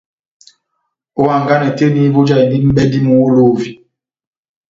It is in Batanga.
Ó hanganɛ tɛ́h eni vojahindi mʼbladi muholovi.